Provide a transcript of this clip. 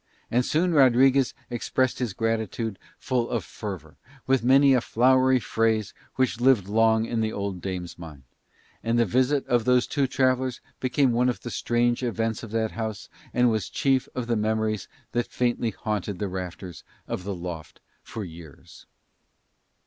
And soon Rodriguez expressed his gratitude, full of fervour, with many a flowery phrase which lived long in the old dame's mind; and the visit of those two travellers became one of the strange events of that house and was chief of the memories that faintly haunted the rafters of the loft for years.